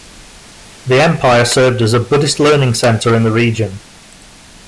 The empire served as a Buddhist learning center in the region.